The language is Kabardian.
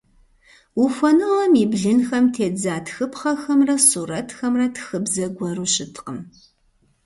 Ухуэныгъэм и блынхэм тедза тхыпхъэхэмрэ сурэтхэмрэ тхыбзэ гуэру щыткъым.